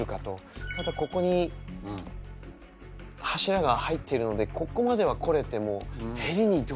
またここに柱が入っているのでここまでは来れてもへりにどうやって行こうかっていうのが。